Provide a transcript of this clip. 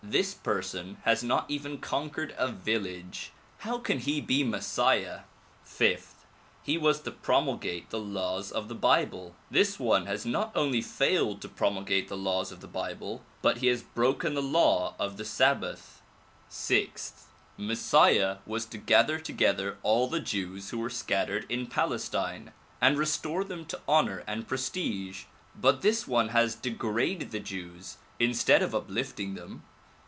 This person has not even conquered a village. How can he be Messiah ? "Fifth: He was to promulgate the laws of the bible. This one has not only failed to promulgate the laws of the bible but he has broken the law of the sabbath. '' Sixth : Messiah was to gather together all the Jews who were scattered in Palestine and restore them to honor and prestige but this one has degraded the Jews instead of uplifting them.